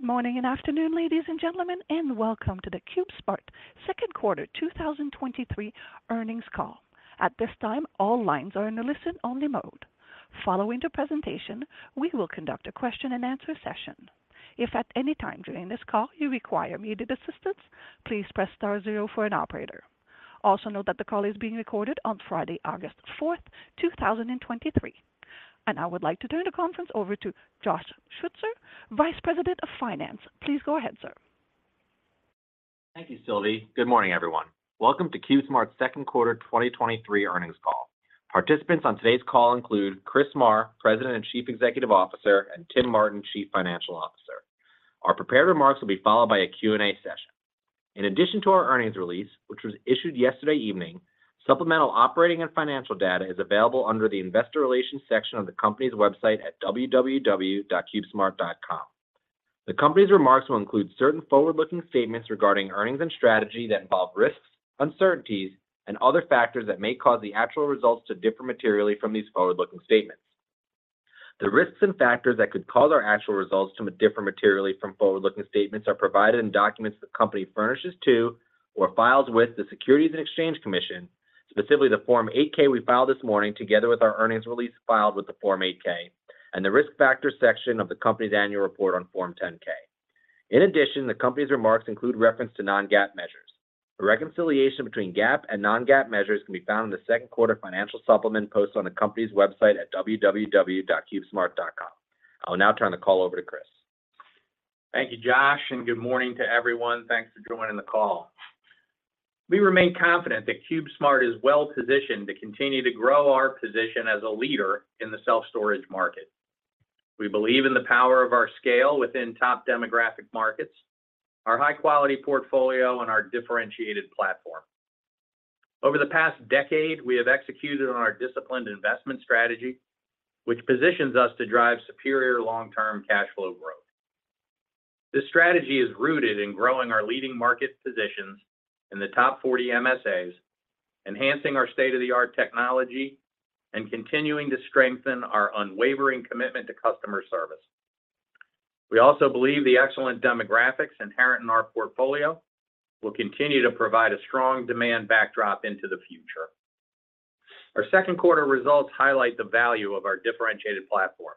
Good morning and afternoon, ladies and gentlemen, and welcome to the CubeSmart Second Quarter 2023 earnings call. At this time, all lines are in a listen-only mode. Following the presentation, we will conduct a question and answer session. If at any time during this call you require immediate assistance, please press star zero for an operator. Also, note that the call is being recorded on Friday, August fourth, 2023. I would like to turn the conference over to Josh Schutzer, Vice President of Finance. Please go ahead, sir. Thank you, Sylvie. Good morning, everyone. Welcome to CubeSmart's second quarter 2023 earnings call. Participants on today's call include Chris Marr, President and Chief Executive Officer, and Tim Martin, Chief Financial Officer. Our prepared remarks will be followed by a Q&A session. In addition to our earnings release, which was issued yesterday evening, supplemental operating and financial data is available under the Investor Relations section of the company's website at www.cubesmart.com. The company's remarks will include certain forward-looking statements regarding earnings and strategy that involve risks, uncertainties, and other factors that may cause the actual results to differ materially from these forward-looking statements. The risks and factors that could cause our actual results to differ materially from forward-looking statements are provided in documents the company furnishes to or files with the Securities and Exchange Commission, specifically the Form 8-K we filed this morning, together with our earnings release filed with the Form 8-K, and the Risk Factors section of the company's annual report on Form 10-K. In addition, the company's remarks include reference to non-GAAP measures. A reconciliation between GAAP and non-GAAP measures can be found in the second quarter financial supplement posted on the company's website at www.cubesmart.com. I will now turn the call over to Chris. Thank you, Josh, and good morning to everyone. Thanks for joining the call. We remain confident that CubeSmart is well positioned to continue to grow our position as a leader in the self-storage market. We believe in the power of our scale within top demographic markets, our high-quality portfolio, and our differentiated platform. Over the past decade, we have executed on our disciplined investment strategy, which positions us to drive superior long-term cash flow growth. This strategy is rooted in growing our leading market positions in the top 40 MSAs, enhancing our state-of-the-art technology, and continuing to strengthen our unwavering commitment to customer service. We also believe the excellent demographics inherent in our portfolio will continue to provide a strong demand backdrop into the future. Our second quarter results highlight the value of our differentiated platform.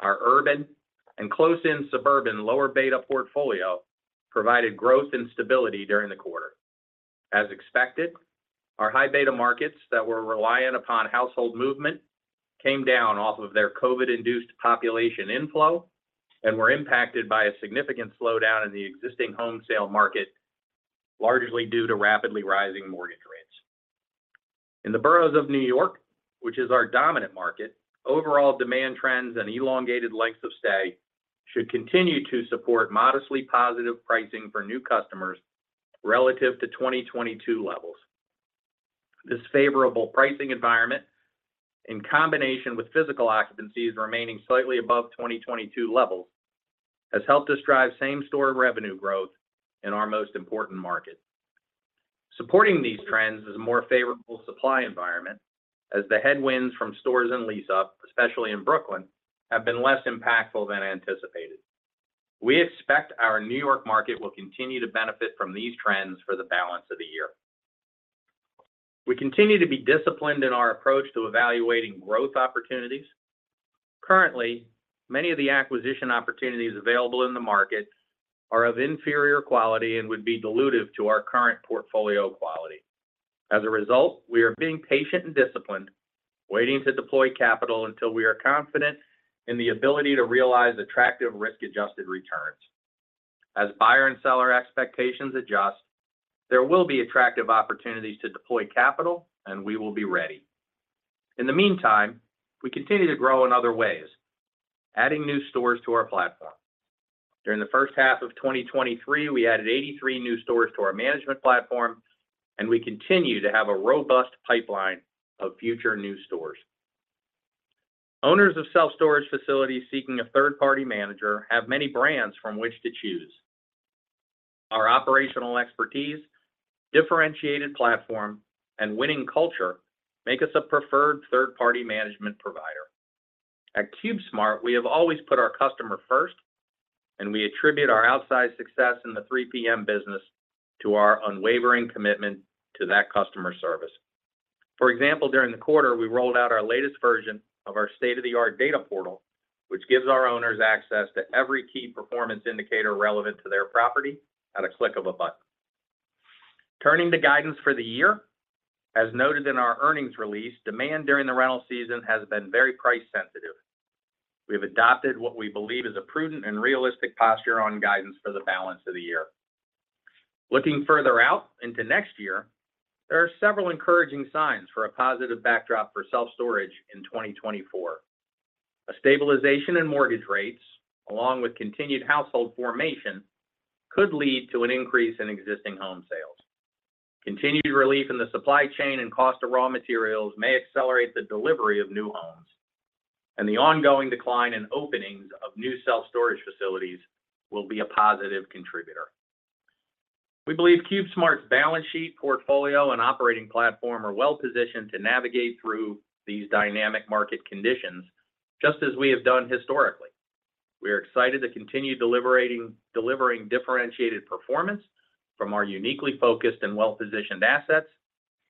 Our urban and close-in suburban lower-beta portfolio provided growth and stability during the quarter. As expected, our high-beta markets that were reliant upon household movement came down off of their COVID-induced population inflow and were impacted by a significant slowdown in the existing home sale market, largely due to rapidly rising mortgage rates. In the boroughs of New York, which is our dominant market, overall demand trends and elongated lengths of stay should continue to support modestly positive pricing for new customers relative to 2022 levels. This favorable pricing environment, in combination with physical occupancies remaining slightly above 2022 levels, has helped us drive same-store revenue growth in our most important market. Supporting these trends is a more favorable supply environment as the headwinds from stores and lease-up, especially in Brooklyn, have been less impactful than anticipated. We expect our New York market will continue to benefit from these trends for the balance of the year. We continue to be disciplined in our approach to evaluating growth opportunities. Currently, many of the acquisition opportunities available in the market are of inferior quality and would be dilutive to our current portfolio quality. As a result, we are being patient and disciplined, waiting to deploy capital until we are confident in the ability to realize attractive risk-adjusted returns. As buyer and seller expectations adjust, there will be attractive opportunities to deploy capital, and we will be ready. In the meantime, we continue to grow in other ways, adding new stores to our platform. During the first half of 2023, we added 83 new stores to our management platform, and we continue to have a robust pipeline of future new stores. Owners of self-storage facilities seeking a third-party manager have many brands from which to choose. Our operational expertise, differentiated platform, and winning culture make us a preferred third-party management provider. At CubeSmart, we have always put our customer first, and we attribute our outsized success in the 3PM business to our unwavering commitment to that customer service. For example, during the quarter, we rolled out our latest version of our state-of-the-art data portal, which gives our owners access to every key performance indicator relevant to their property at a click of a button. Turning to guidance for the year, as noted in our earnings release, demand during the rental season has been very price sensitive. We have adopted what we believe is a prudent and realistic posture on guidance for the balance of the year. Looking further out into next year, there are several encouraging signs for a positive backdrop for self-storage in 2024. A stabilization in mortgage rates, along with continued household formation, could lead to an increase in existing home sales. Continued relief in the supply chain and cost of raw materials may accelerate the delivery of new homes, and the ongoing decline in openings of new self-storage facilities will be a positive contributor.... We believe CubeSmart's balance sheet portfolio and operating platform are well positioned to navigate through these dynamic market conditions, just as we have done historically. We are excited to continue delivering differentiated performance from our uniquely focused and well-positioned assets,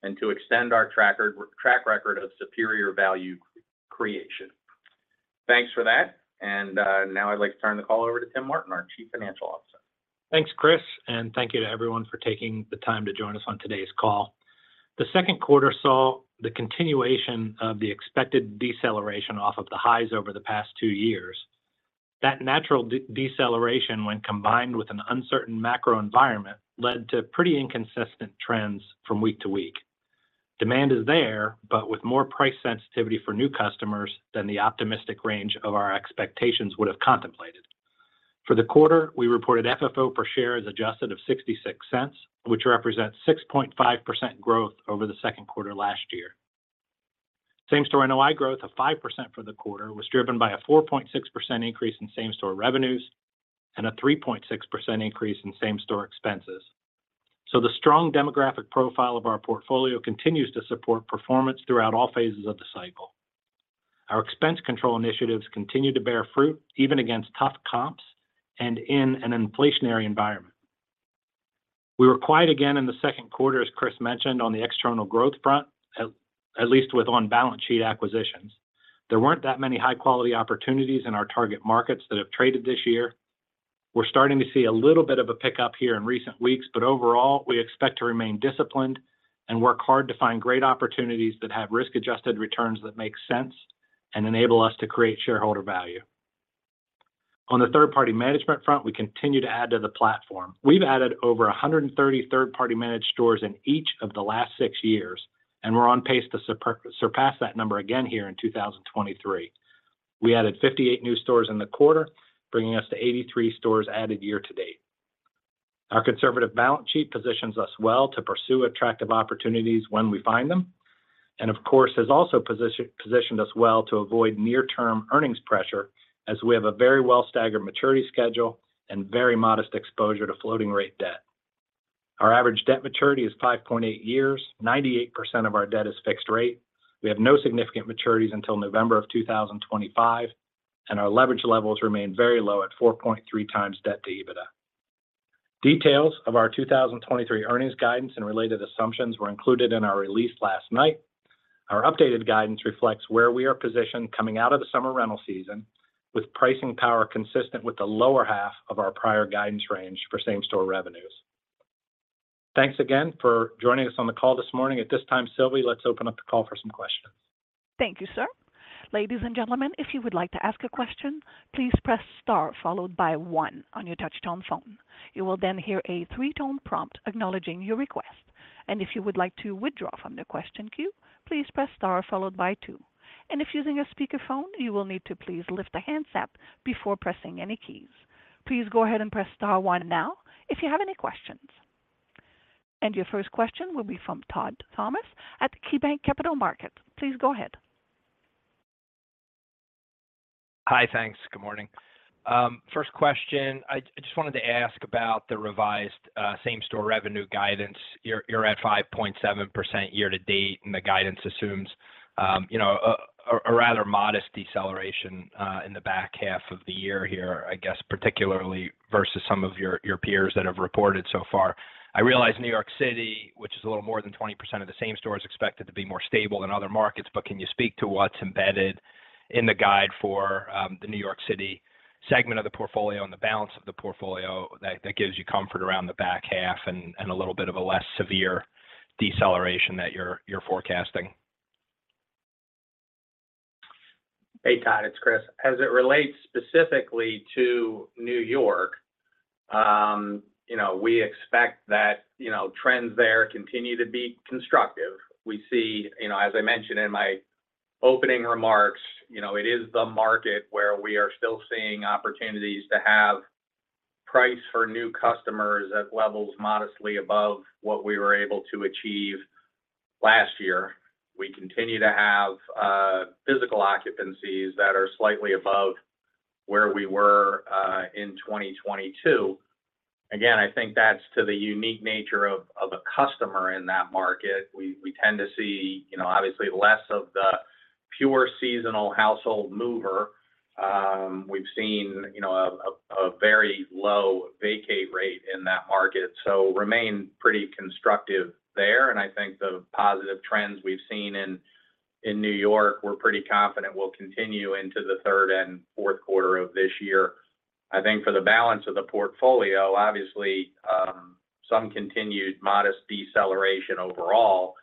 and to extend our track record of superior value creation. Thanks for that, and now I'd like to turn the call over to Tim Martin, our Chief Financial Officer. Thanks, Chris. Thank you to everyone for taking the time to join us on today's call. The second quarter saw the continuation of the expected deceleration off of the highs over the past two years. That natural deceleration, when combined with an uncertain macro environment, led to pretty inconsistent trends from week to week. Demand is there, with more price sensitivity for new customers than the optimistic range of our expectations would have contemplated. For the quarter, we reported FFO per share as adjusted of 0.66, which represents 6.5% growth over the second quarter last year. Same-store NOI growth of 5% for the quarter was driven by a 4.6% increase in same-store revenues and a 3.6% increase in same-store expenses. The strong demographic profile of our portfolio continues to support performance throughout all phases of the cycle. Our expense control initiatives continue to bear fruit, even against tough comps and in an inflationary environment. We were quiet again in the second quarter, as Chris mentioned, on the external growth front, at least with on-balance sheet acquisitions. There weren't that many high-quality opportunities in our target markets that have traded this year. We're starting to see a little bit of a pickup here in recent weeks, but overall, we expect to remain disciplined and work hard to find great opportunities that have risk-adjusted returns that make sense and enable us to create shareholder value. On the third-party management front, we continue to add to the platform. We've added over 130 third-party managed stores in each of the last six years. We're on pace to surpass that number again here in 2023. We added 58 new stores in the quarter, bringing us to 83 stores added year to date. Our conservative balance sheet positions us well to pursue attractive opportunities when we find them. Of course, has also positioned us well to avoid near-term earnings pressure, as we have a very well staggered maturity schedule and very modest exposure to floating rate debt. Our average debt maturity is 5.8 years. 98% of our debt is fixed rate. We have no significant maturities until November of 2025. Our leverage levels remain very low at 4.3 times debt to EBITDA. Details of our 2023 earnings guidance and related assumptions were included in our release last night. Our updated guidance reflects where we are positioned coming out of the summer rental season, with pricing power consistent with the lower half of our prior guidance range for same-store revenues. Thanks again for joining us on the call this morning. At this time, Sylvie, let's open up the call for some questions. Thank you, sir. Ladies and gentlemen, if you would like to ask a question, please press star followed by one on your touchtone phone. You will then hear a three-tone prompt acknowledging your request. If you would like to withdraw from the question queue, please press star followed by two. If using a speakerphone, you will need to please lift the handset before pressing any keys. Please go ahead and press star 1 now if you have any questions. Your first question will be from Todd Thomas at KeyBanc Capital Markets. Please go ahead. Hi, thanks. Good morning. First question, I, I just wanted to ask about the revised same-store revenue guidance. You're, you're at 5.7% year-to-date, and the guidance assumes, you know, a, a rather modest deceleration in the back half of the year here, I guess, particularly versus some of your, your peers that have reported so far. I realize New York City, which is a little more than 20% of the same store, is expected to be more stable than other markets, but can you speak to what's embedded in the guide for the New York City segment of the portfolio and the balance of the portfolio that, that gives you comfort around the back half and, and a little bit of a less severe deceleration that you're, you're forecasting? Hey, Todd, it's Chris. As it relates specifically to New York, you know, we expect that, you know, trends there continue to be constructive. We see You know, as I mentioned in my opening remarks, you know, it is the market where we are still seeing opportunities to have price for new customers at levels modestly above what we were able to achieve last year. We continue to have physical occupancies that are slightly above where we were in 2022. Again, I think that's to the unique nature of, of a customer in that market. We, we tend to see, you know, obviously less of the pure seasonal household mover. We've seen, you know, a very low vacate rate in that market, so remain pretty constructive there, and I think the positive trends we've seen in, in New York, we're pretty confident will continue into the third and fourth quarter of this year. I think for the balance of the portfolio, obviously, some continued modest deceleration overall,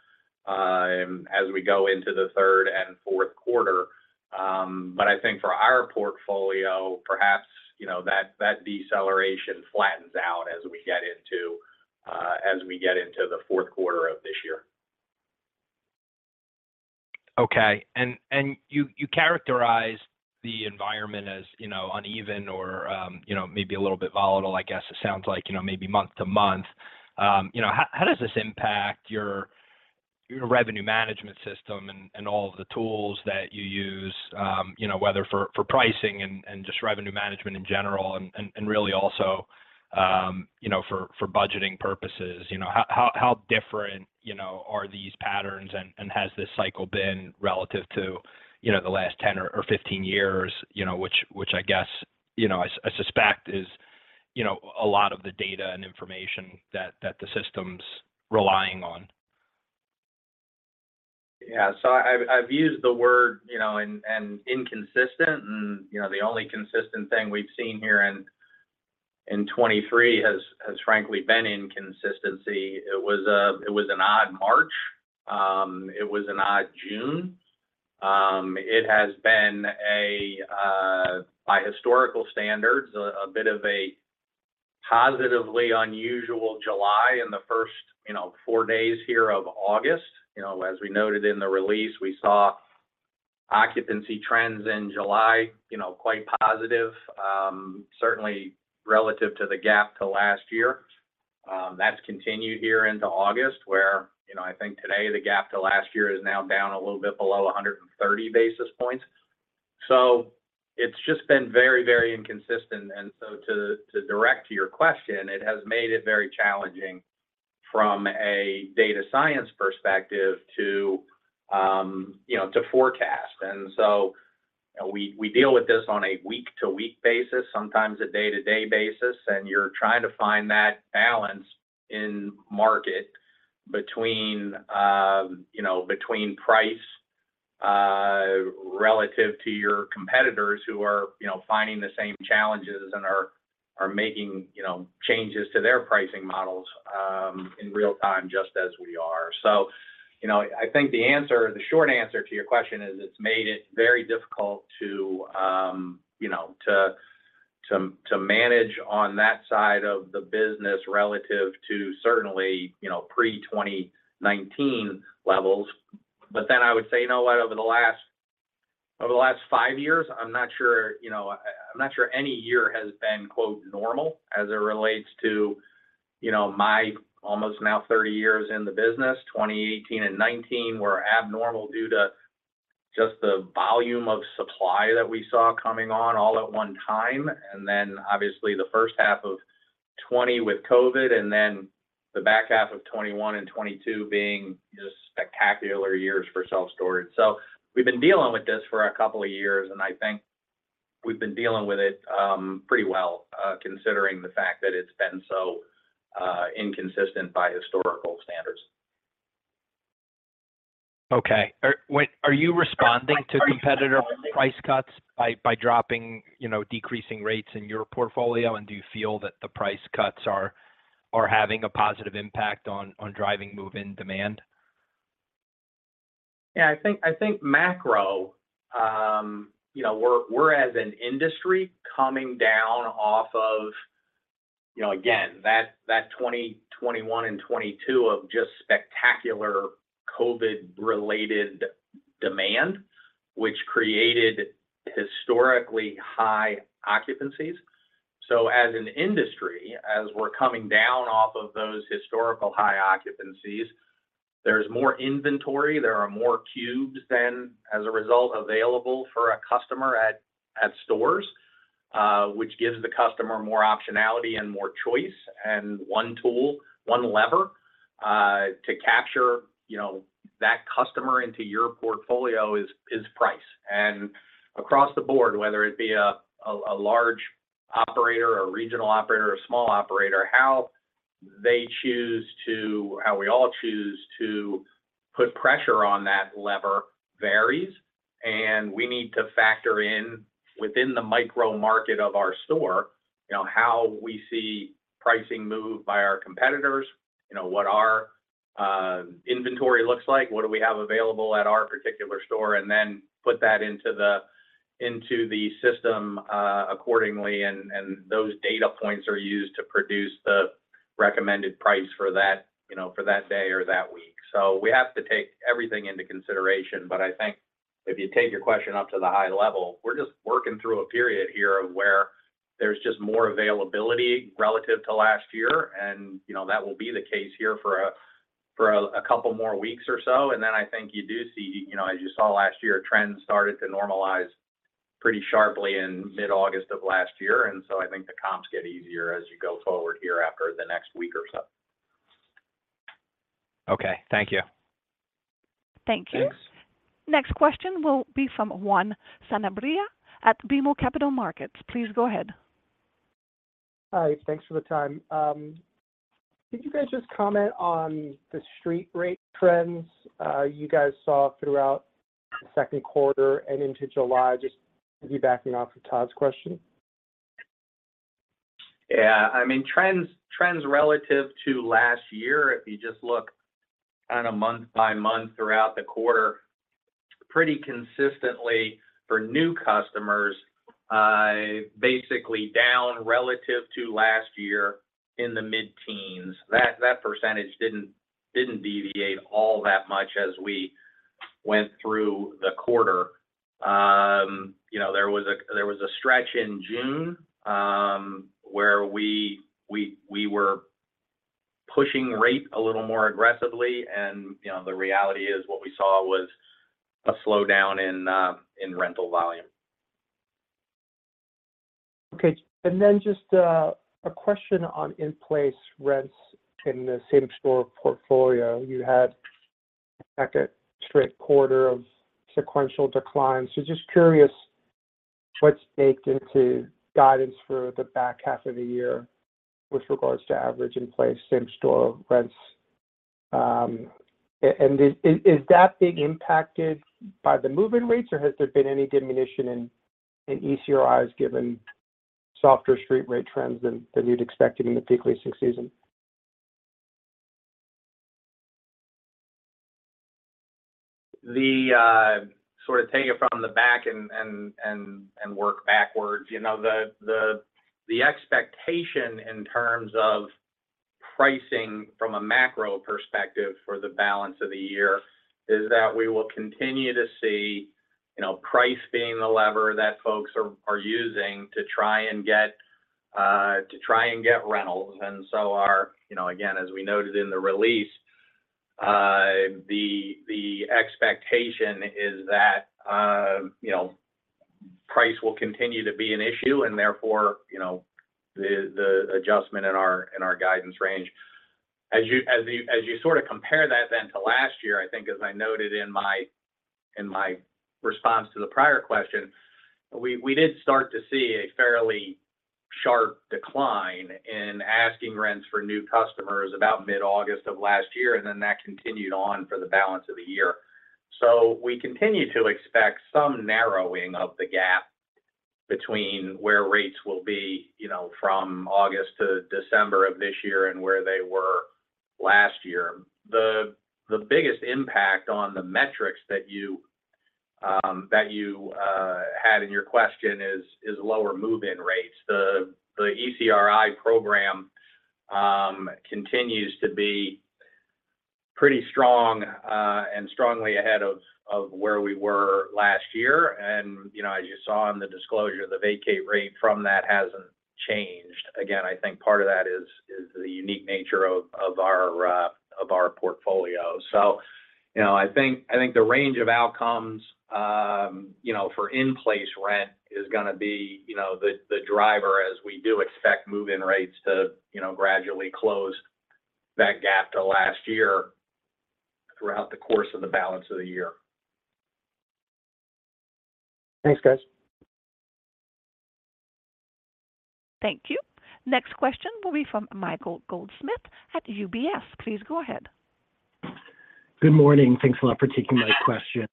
as we go into the third and fourth quarter. I think for our portfolio, perhaps, you know, that, that deceleration flattens out as we get into, as we get into the fourth quarter of this year. Okay. You, you characterize the environment as, you know, uneven or, you know, maybe a little bit volatile, I guess it sounds like, you know, maybe month to month. You know, how, how does this impact your revenue management system and, and all of the tools that you use, you know, whether for, for pricing and, and just revenue management in general, and, and, and really also, you know, for, for budgeting purposes, you know, how, how, how different, you know, are these patterns? Has this cycle been relative to, you know, the last 10 or, or 15 years? You know, which, which I guess, you know, I, I suspect is, you know, a lot of the data and information that, that the system's relying on. Yeah. I've, I've used the word, you know, and, and inconsistent, and, you know, the only consistent thing we've seen here in, in 2023 has, has frankly been inconsistency. It was an odd March. It was an odd June. It has been a, by historical standards, a, a bit of a positively unusual July in the first, you know, four days here of August. You know, as we noted in the release, we saw occupancy trends in July, you know, quite positive, certainly relative to the gap to last year. That's continued here into August, where, you know, I think today the gap to last year is now down a little bit below 130 basis points. It's just been very, very inconsistent. To, to direct to your question, it has made it very challenging from a data science perspective to, you know, to forecast. You know, we, we deal with this on a week-to-week basis, sometimes a day-to-day basis, and you're trying to find that balance in market between, you know, between price, relative to your competitors who are, you know, finding the same challenges and are, are making, you know, changes to their pricing models in real time, just as we are. You know, I think the answer, the short answer to your question is, it's made it very difficult to, you know, to, to, to manage on that side of the business, relative to certainly, you know, pre-2019 levels. I would say, you know what? Over the last, over the last five years, I'm not sure, you know, I, I'm not sure any year has been, quote, "normal," as it relates to, you know, my almost now 30 years in the business. 2018 and 2019 were abnormal due to just the volume of supply that we saw coming on all at one time, and then obviously the first half of 2020 with COVID, and then the back half of 2021 and 2022 being just spectacular years for self-storage. We've been dealing with this for two years, and I think we've been dealing with it pretty well, considering the fact that it's been so inconsistent by historical standards. Okay. Are you responding to competitor price cuts by, by dropping, you know, decreasing rates in your portfolio? Do you feel that the price cuts are, are having a positive impact on, on driving move-in demand? Yeah, I think, I think macro, you know, we're, we're as an industry coming down off of, you know, again, that, that 2021 and 2022 of just spectacular COVID-related demand, which created historically high occupancies. As an industry, as we're coming down off of those historical high occupancies, there's more inventory, there are more cubes than as a result, available for a customer at, at stores, which gives the customer more optionality and more choice. One tool, one lever, to capture, you know, that customer into your portfolio is, is price. Across the board, whether it be a, a, a large operator or regional operator or small operator, how they choose to... how we all choose to put pressure on that lever varies, and we need to factor in within the micro market of our store, you know, how we see pricing move by our competitors, you know, what our inventory looks like, what do we have available at our particular store, and then put that into the, into the system accordingly. Those data points are used to produce the recommended price for that, you know, for that day or that week. We have to take everything into consideration. I think if you take your question up to the high level, we're just working through a period here of where there's just more availability relative to last year. You know, that will be the case here for a, for a, a couple more weeks or so. Then I think you do see, you know, as you saw last year, trends started to normalize pretty sharply in mid-August of last year. So I think the comps get easier as you go forward here after the next week or so. Okay. Thank you. Thank you. Thanks. Next question will be from Juan Sanabria at BMO Capital Markets. Please go ahead. Hi, thanks for the time. Could you guys just comment on the street rate trends, you guys saw throughout the second quarter and into July, just maybe backing off of Todd's question? Yeah, I mean, trends, trends relative to last year, if you just look kind of month by month throughout the quarter, pretty consistently for new customers, basically down relative to last year in the mid-teens. That, that % didn't, didn't deviate all that much as we went through the quarter, you know, there was a, there was a stretch in June, where we, we, we were pushing rate a little more aggressively. You know, the reality is what we saw was a slowdown in rental volume. Okay. Then just a question on in-place rents in the same-store portfolio. You had like a straight quarter of sequential decline. Just curious, what's baked into guidance for the back half of the year with regards to average in-place same-store rents? And is, is that being impacted by the move-in rates, or has there been any diminution in, in ECRIs, given softer street rate trends than, than you'd expected in the peak leasing season? The sort of take it from the back and, and, and, and work backwards. You know, the, the, the expectation in terms of pricing from a macro perspective for the balance of the year is that we will continue to see, you know, price being the lever that folks are, are using to try and get, to try and get rentals. You know, again, as we noted in the release, the, the expectation is that, you know, price will continue to be an issue and therefore, you know, the, the adjustment in our, in our guidance range. As you, as you, as you sort of compare that then to last year, I think as I noted in my, in my response to the prior question, we, we did start to see a fairly sharp decline in asking rents for new customers about mid-August of last year, and then that continued on for the balance of the year. We continue to expect some narrowing of the gap between where rates will be, you know, from August to December of this year and where they were last year. The, the biggest impact on the metrics that you, that you had in your question is, is lower move-in rates. The, the ECRI program continues to be pretty strong and strongly ahead of, of where we were last year. You know, as you saw in the disclosure, the vacate rate from that hasn't changed. I think part of that is, is the unique nature of, of our portfolio. You know, I think, I think the range of outcomes, you know, for in-place rent is gonna be, you know, the, the driver as we do expect move-in rates to, you know, gradually close that gap to last year throughout the course of the balance of the year. Thanks, guys. Thank you. Next question will be from Michael Goldsmith at UBS. Please go ahead. Good morning. Thanks a lot for taking my question.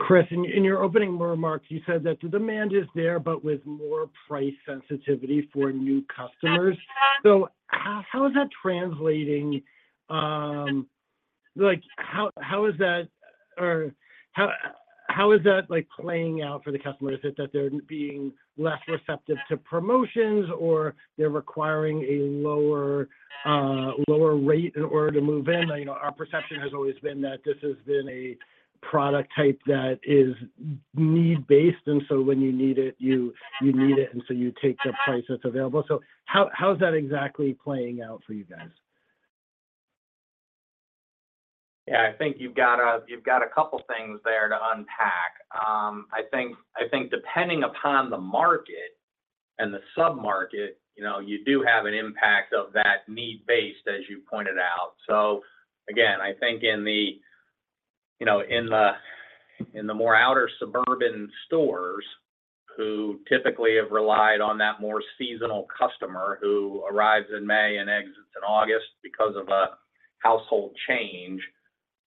Chris, in, in your opening remarks, you said that the demand is there, but with more price sensitivity for new customers. How, how is that translating? like how, how is that or how, how is that like playing out for the customer? Is it that they're being less receptive to promotions or they're requiring a lower, lower rate in order to move in? You know, our perception has always been that this has been a product type that is need-based, and so when you need it, you, you need it, and so you take the price that's available. How, how is that exactly playing out for you guys? Yeah, I think you've got a, you've got a couple things there to unpack. I think, I think depending upon the market and the sub-market, you know, you do have an impact of that need-based, as you pointed out. Again, I think in the, you know, in the, in the more outer suburban stores, who typically have relied on that more seasonal customer who arrives in May and exits in August because of a household change,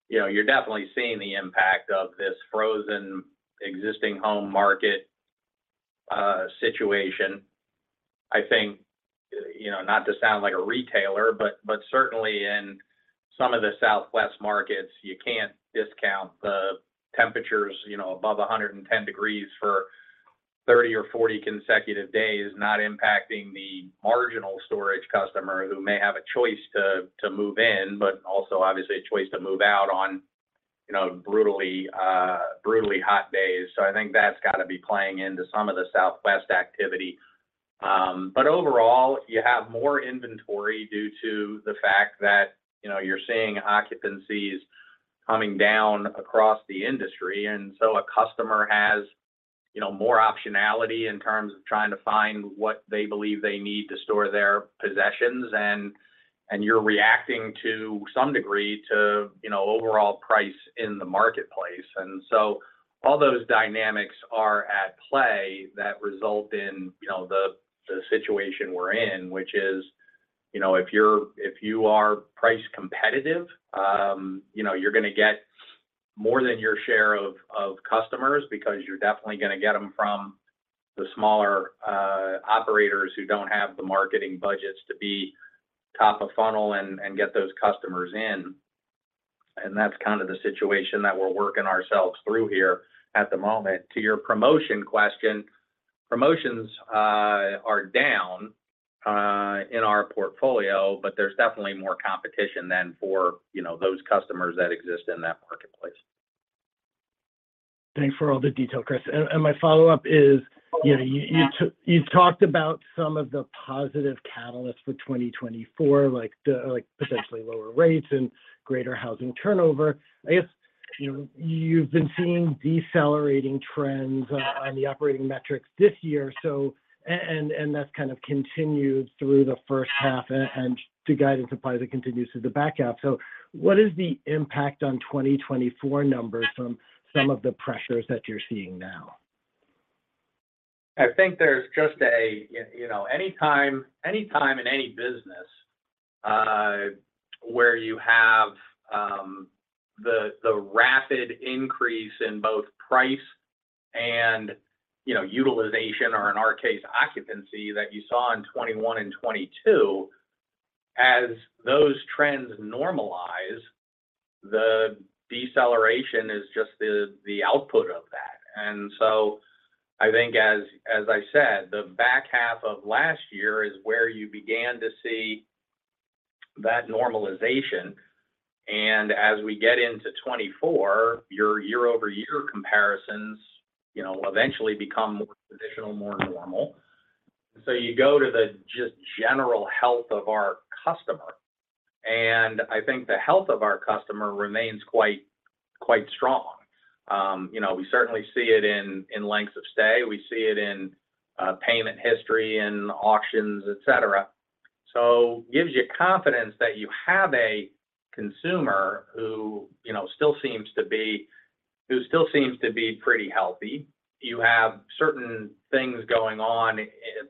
you know, you're definitely seeing the impact of this frozen existing home market, situation. I think, you know, not to sound like a retailer, but certainly in some of the Southwest markets, you can't discount the temperatures, you know, above 110 degrees for 30 or 40 consecutive days, not impacting the marginal storage customer who may have a choice to move in, but also obviously a choice to move out on, you know, brutally hot days. I think that's got to be playing into some of the Southwest activity. Overall, you have more inventory due to the fact that, you know, you're seeing occupancies coming down across the industry, so a customer has, you know, more optionality in terms of trying to find what they believe they need to store their possessions. You're reacting to some degree to, you know, overall price in the marketplace. All those dynamics are at play that result in, you know, the, the situation we're in, which is, you know, if you are price competitive, you know, you're gonna get more than your share of customers because you're definitely gonna get them from the smaller operators who don't have the marketing budgets to be top of funnel and get those customers in. That's kind of the situation that we're working ourselves through here at the moment. To your promotion question. Promotions are down in our portfolio, but there's definitely more competition than for, you know, those customers that exist in that marketplace. Thanks for all the detail, Chris. My follow-up is: you know, you've talked about some of the positive catalysts for 2024, like the potentially lower rates and greater housing turnover. I guess, you know, you've been seeing decelerating trends on the operating metrics this year, and that's kind of continued through the first half, and the guidance supply that continues through the back half. What is the impact on 2024 numbers from some of the pressures that you're seeing now? I think there's just, you know, any time, any time in any business, where you have, the rapid increase in both price and, you know, utilization, or in our case, occupancy, that you saw in 2021 and 2022, as those trends normalize, the deceleration is just the output of that. I think as, as I said, the back half of last year is where you began to see that normalization. As we get into 2024, your year-over-year comparisons, you know, will eventually become more traditional, more normal. You go to the just general health of our customer, and I think the health of our customer remains quite, quite strong. You know, we certainly see it in, in lengths of stay. We see it in, payment history and auctions, et cetera. Gives you confidence that you have a consumer who, you know, still seems to be pretty healthy. You have certain things going on,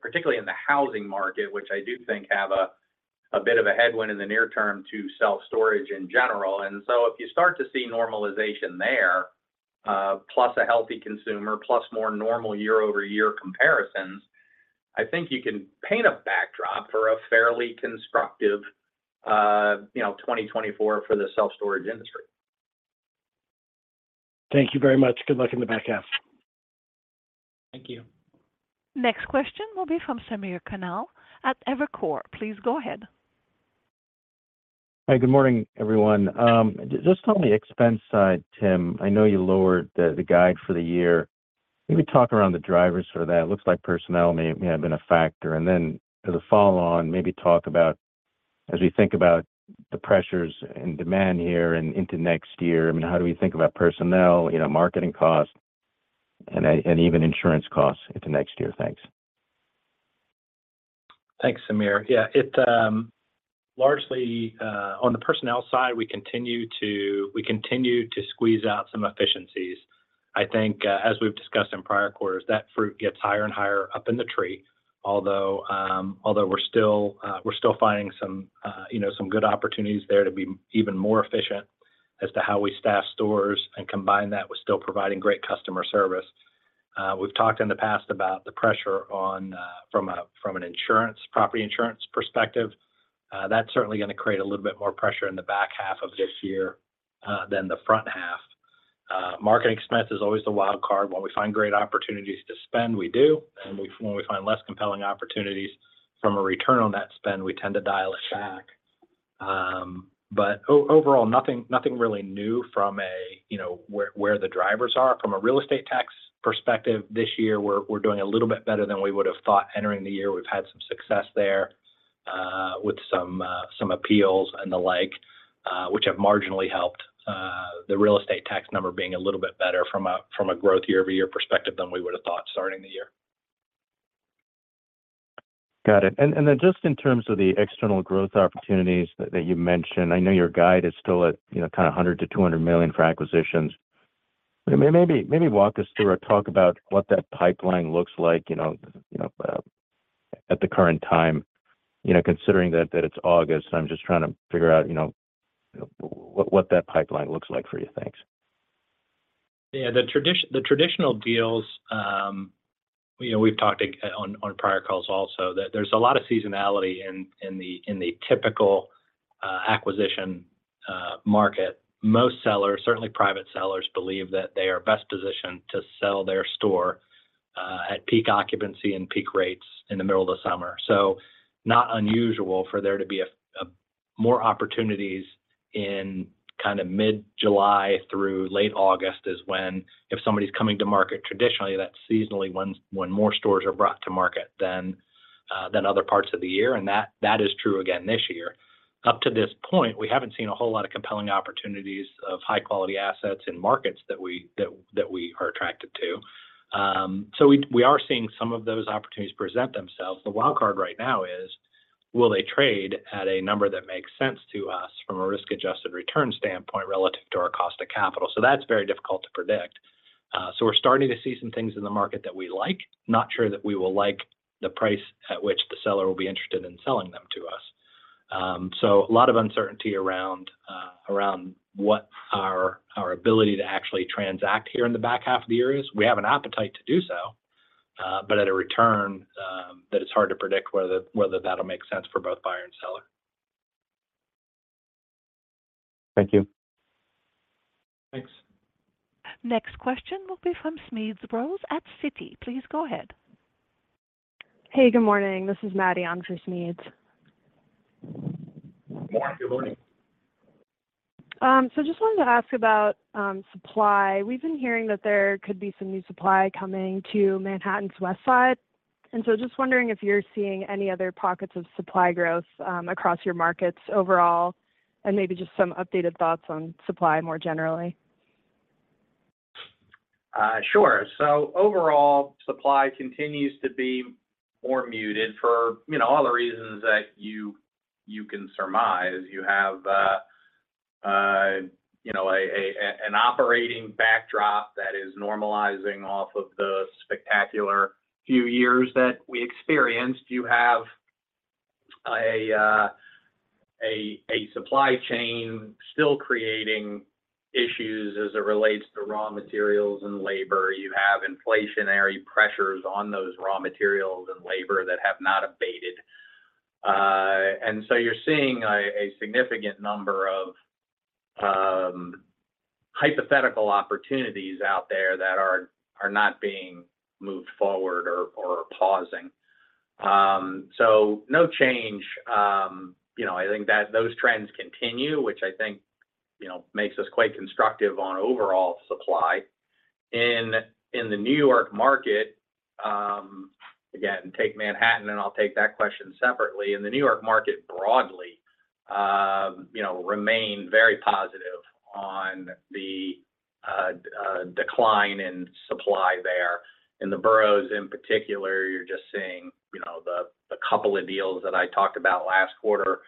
particularly in the housing market, which I do think have a bit of a headwind in the near term to self-storage in general. If you start to see normalization there, plus a healthy consumer, plus more normal year-over-year comparisons, I think you can paint a backdrop for a fairly constructive, you know, 2024 for the self-storage industry. Thank you very much. Good luck in the back half. Thank you. Next question will be from Samir Khanal at Evercore. Please go ahead. Hi, good morning, everyone. Just on the expense side, Tim, I know you lowered the, the guide for the year. Maybe talk around the drivers for that. It looks like personnel may, may have been a factor. Then as a follow on, maybe talk about, as we think about the pressures and demand here and into next year, I mean, how do we think about personnel, you know, marketing costs, and, and even insurance costs into next year? Thanks. Thanks, Samir. Yeah, it, largely, on the personnel side, we continue to, we continue to squeeze out some efficiencies. I think, as we've discussed in prior quarters, that fruit gets higher and higher up in the tree. Although, although we're still, we're still finding some, you know, some good opportunities there to be even more efficient as to how we staff stores and combine that with still providing great customer service. We've talked in the past about the pressure on, from a, from an insurance, property insurance perspective. That's certainly gonna create a little bit more pressure in the back half of this year, than the front half. Marketing expense is always the wild card. When we find great opportunities to spend, we do, and when we find less compelling opportunities from a return on that spend, we tend to dial it back. Overall, nothing, nothing really new from a, you know, where, where the drivers are. From a real estate tax perspective, this year, we're, we're doing a little bit better than we would have thought entering the year. We've had some success there, with some, some appeals and the like, which have marginally helped, the real estate tax number being a little bit better from a, from a growth year-over-year perspective than we would have thought starting the year. Got it. And then just in terms of the external growth opportunities that, that you mentioned, I know your guide is still at, kind of 100 million-200 million for acquisitions. Maybe walk us through or talk about what that pipeline looks like, at the current time, considering that, that it's August. I'm just trying to figure out, what, what that pipeline looks like for you. Thanks. Yeah, the traditional deals, you know, we've talked on, on prior calls also, that there's a lot of seasonality in, in the, in the typical acquisition market. Most sellers, certainly private sellers, believe that they are best positioned to sell their store at peak occupancy and peak rates in the middle of the summer. Not unusual for there to be a, a more opportunities in kind of mid-July through late August, is when, if somebody's coming to market, traditionally, that's seasonally when, when more stores are brought to market than other parts of the year, and that, that is true again this year. Up to this point, we haven't seen a whole lot of compelling opportunities of high quality assets in markets that we, that, that we are attracted to. We, we are seeing some of those opportunities present themselves. The wild card right now is, will they trade at a number that makes sense to us from a risk-adjusted return standpoint relative to our cost of capital? That's very difficult to predict. We're starting to see some things in the market that we like. Not sure that we will like the price at which the seller will be interested in selling them to us. A lot of uncertainty around around what our, our ability to actually transact here in the back half of the year is. We have an appetite to do so, but at a return that it's hard to predict whether, whether that'll make sense for both buyer and seller. Thank you. Thanks. Next question will be from Smedes Rose at Citi. Please go ahead. Hey, good morning. This is Maddie on for Smedes. Good morning, good morning. Just wanted to ask about supply. We've been hearing that there could be some new supply coming to Manhattan's West Side, just wondering if you're seeing any other pockets of supply growth across your markets overall, maybe just some updated thoughts on supply more generally. Sure. Overall, supply continues to be more muted for, you know, all the reasons that you, you can surmise. You have, you know, an operating backdrop that is normalizing off of the spectacular few years that we experienced. You have a supply chain still creating issues as it relates to raw materials and labor. You have inflationary pressures on those raw materials and labor that have not abated. You're seeing a significant number of hypothetical opportunities out there that are not being moved forward or are pausing. No change. You know, I think that those trends continue, which I think, you know, makes us quite constructive on overall supply. In the New York market, again, take Manhattan, and I'll take that question separately. In the New York market broadly, you know, remain very positive on the decline in supply there. In the boroughs, in particular, you're just seeing, you know, the couple of deals that I talked about last quarter,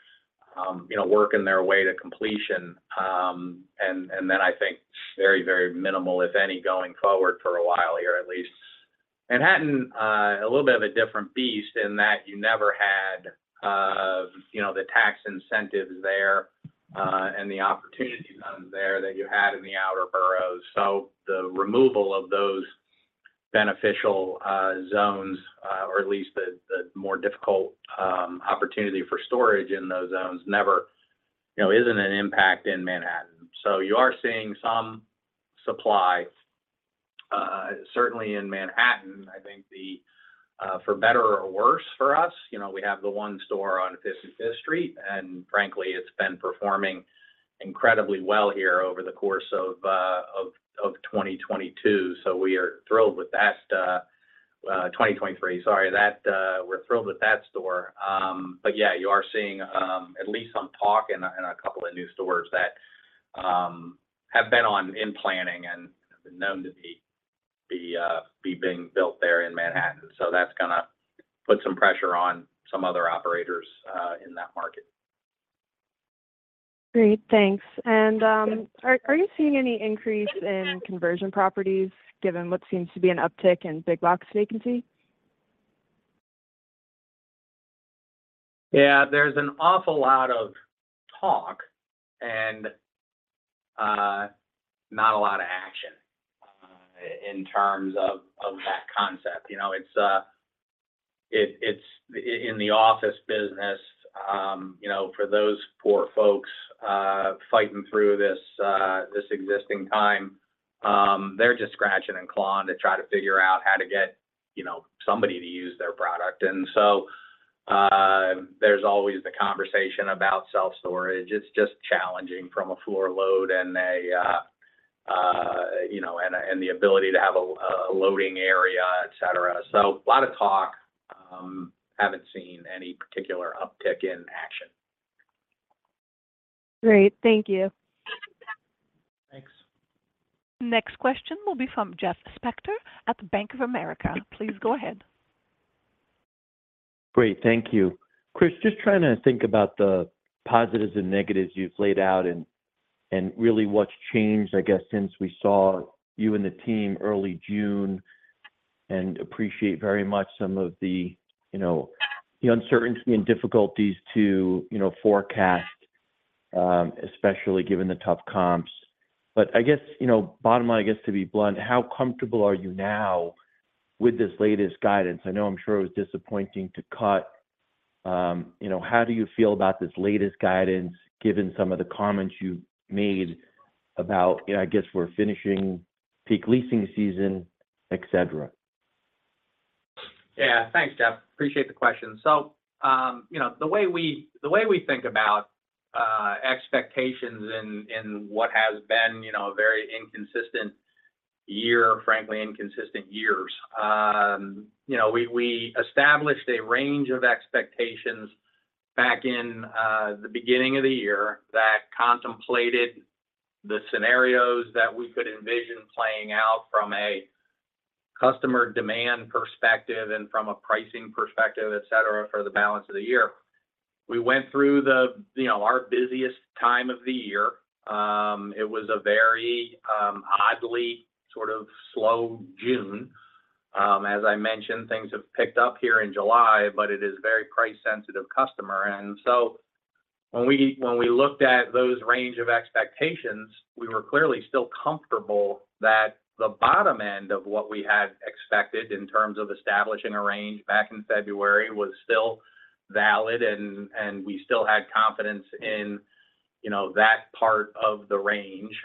you know, working their way to completion. Then I think very, very minimal, if any, going forward for a while here at least. Manhattan, a little bit of a different beast in that you never had, you know, the tax incentives there, and the Opportunity Zones there that you had in the outer boroughs. The removal of those beneficial zones, or at least the more difficult opportunity for storage in those zones, never, you know, isn't an impact in Manhattan. You are seeing some supply, certainly in Manhattan. I think the for better or worse for us, you know, we have the one store on Fifth and Fifth Street, and frankly, it's been performing incredibly well here over the course of 2022. We are thrilled with that 2023, sorry, that we're thrilled with that store. Yeah, you are seeing at least some talk and a couple of new stores that have been on in planning and have been known to be being built there in Manhattan. That's gonna put some pressure on some other operators in that market. Great, thanks. Are you seeing any increase in conversion properties, given what seems to be an uptick in big box vacancy? Yeah, there's an awful lot of talk and not a lot of action in terms of, of that concept. You know, it's, it, it's in the office business, you know, for those poor folks, fighting through this existing time, they're just scratching and clawing to try to figure out how to get, you know, somebody to use their product. There's always the conversation about self-storage. It's just challenging from a floor load and a, you know, and a, and the ability to have a loading area, et cetera. A lot of talk, haven't seen any particular uptick in action. Great. Thank you. Thanks. Next question will be from Jeff Spector at the Bank of America. Please go ahead. Great. Thank you. Chris, just trying to think about the positives and negatives you've laid out and, and really what's changed, I guess, since we saw you and the team early June, and appreciate very much some of the, you know, the uncertainty and difficulties to, you know, forecast, especially given the tough comps. I guess, you know, bottom line, I guess to be blunt, how comfortable are you now with this latest guidance? I know I'm sure it was disappointing to cut. You know, how do you feel about this latest guidance, given some of the comments you've made about, you know, I guess we're finishing peak leasing season, et cetera? Yeah. Thanks, Jeff. Appreciate the question. You know, the way we, the way we think about expectations in, in what has been, you know, a very inconsistent year, frankly, inconsistent years, you know, we, we established a range of expectations back in the beginning of the year that contemplated the scenarios that we could envision playing out from a customer demand perspective and from a pricing perspective, et cetera, for the balance of the year. We went through the, you know, our busiest time of the year. It was a very oddly sort of slow June. As I mentioned, things have picked up here in July, but it is a very price-sensitive customer. When we, when we looked at those range of expectations, we were clearly still comfortable that the bottom end of what we had expected in terms of establishing a range back in February was still valid, and we still had confidence in, you know, that part of the range.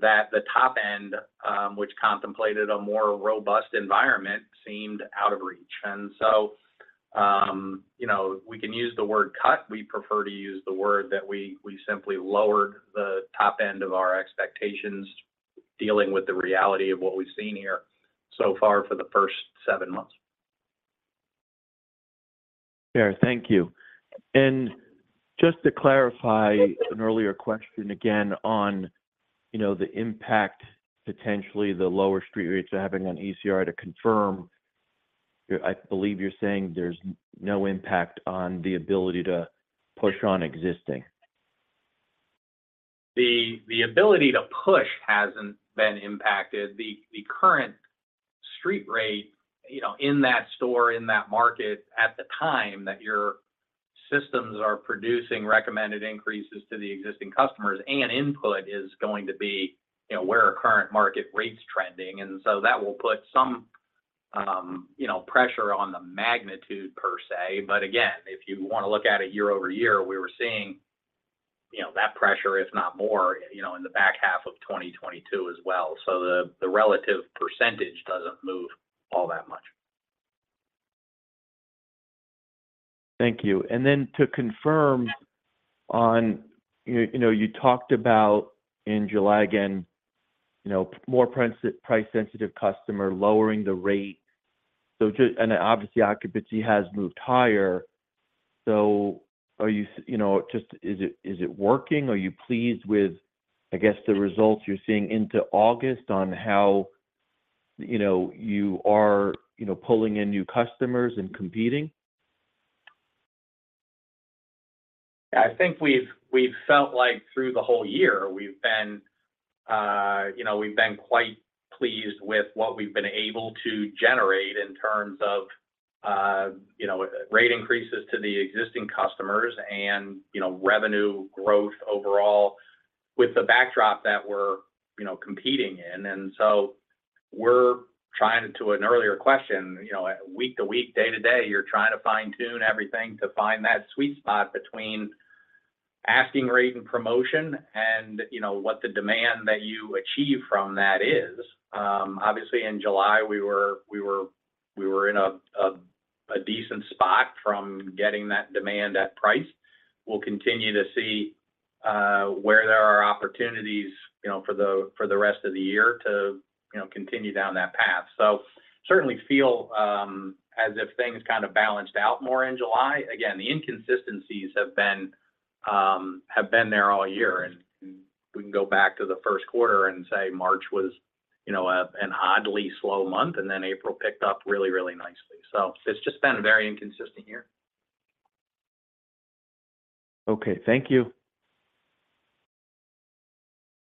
That the top end, which contemplated a more robust environment, seemed out of reach. You know, we can use the word cut. We prefer to use the word that we, we simply lowered the top end of our expectations, dealing with the reality of what we've seen here so far for the first seven months. Fair. Thank you. Just to clarify an earlier question again on, you know, the impact, potentially the lower street rates are having on ECR to confirm, I believe you're saying there's no impact on the ability to push on existing? The, the ability to push hasn't been impacted. The, the current street rate, you know, in that store, in that market at the time that your systems are producing recommended increases to the existing customers, input is going to be, you know, where are current market rates trending. So that will put some, you know, pressure on the magnitude per se, but again, if you want to look at it year-over-year, we were seeing, you know, that pressure, if not more, you know, in the back half of 2022 as well. The, the relative % doesn't move all that much. Thank you. Then to confirm on, you, you know, you talked about in July again, you know, more price-sensitive customer lowering the rate. Just and obviously, occupancy has moved higher. Are you, you know, just, is it, is it working? Are you pleased with, I guess, the results you're seeing into August on how, you know, you are, you know, pulling in new customers and competing? Yeah, I think we've, we've felt like through the whole year, we've been, you know, we've been quite pleased with what we've been able to generate in terms of, you know, rate increases to the existing customers and, you know, revenue growth overall with the backdrop that we're, you know, competing in. We're trying, to an earlier question, you know, week to week, day to day, you're trying to fine-tune everything to find that sweet spot between asking rate and promotion and, you know, what the demand that you achieve from that is. Obviously, in July, we were, we were, we were in a, a, a decent spot from getting that demand at price. We'll continue to see where there are opportunities, you know, for the, for the rest of the year to, you know, continue down that path. Certainly feel as if things kind of balanced out more in July. The inconsistencies have been have been there all year, and we can go back to the first quarter and say March was, you know, a, an oddly slow month, and then April picked up really, really nicely. It's just been a very inconsistent year. Okay. Thank you.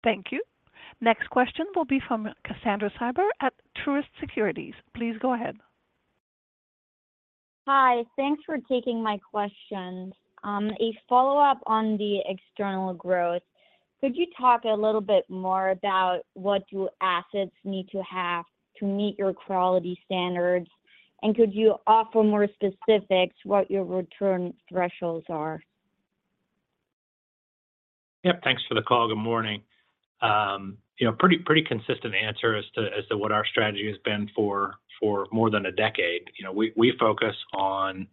Thank you. Next question will be from Cassandra Socha at Truist Securities. Please go ahead. Hi. Thanks for taking my question. A follow-up on the external growth. Could you talk a little bit more about what do assets need to have to meet your quality standards? Could you offer more specifics what your return thresholds are? Yep. Thanks for the call. Good morning. You know, pretty, pretty consistent answer as to, as to what our strategy has been for, for more than a decade. You know, we, we focus on,